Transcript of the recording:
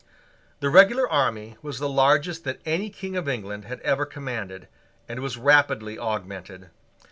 The regular army was the largest that any King of England had ever commanded, and was rapidly augmented.